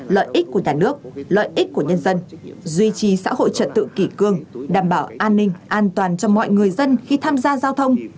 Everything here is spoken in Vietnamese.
lợi ích của nhà nước lợi ích của nhân dân duy trì xã hội trật tự kỷ cương đảm bảo an ninh an toàn cho mọi người dân khi tham gia giao thông